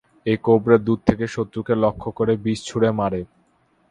এই কোবরা দূর থেকে শত্রুকে লক্ষ্য করে বিষ ছুড়ে মারে।